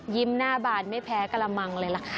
ยิ้มหน้าบ่านไม่แพ้กลามังเลยล่ะค่ะ